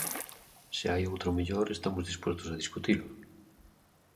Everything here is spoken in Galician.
Se hai outro mellor, estamos dispostos a discutilo.